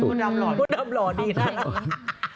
วุ้นดำหล่อดี